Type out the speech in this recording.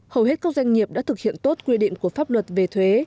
hầu hết các doanh nghiệp đã thực hiện tốt quy định của pháp luật về thuế